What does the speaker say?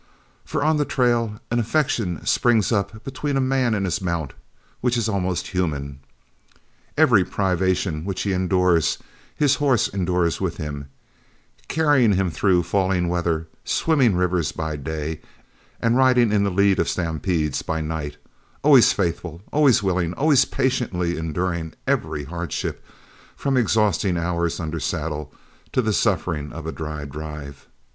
For on the trail an affection springs up between a man and his mount which is almost human. Every privation which he endures his horse endures with him, carrying him through falling weather, swimming rivers by day and riding in the lead of stampedes by night, always faithful, always willing, and always patiently enduring every hardship, from exhausting hours under saddle to the sufferings of a dry drive.